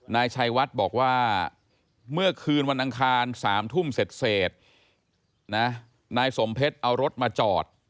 นายชัยวัดบอกว่าเมื่อคืนวันอังคาร๓ทุ่มเสร็จนะนายสมเพชรเอารถมาจอด